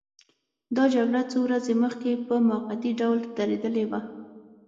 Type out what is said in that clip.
دا جګړه څو ورځې مخکې په موقتي ډول درېدلې وه.